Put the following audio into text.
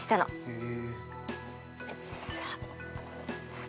へえ。